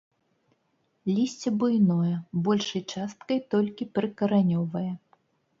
Лісце буйное, большай часткай толькі прыкаранёвае.